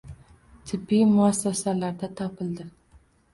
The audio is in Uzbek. tibbiy muassasalarda topildi.